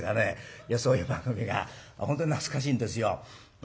いやそういう番組が本当に懐かしいんですよ。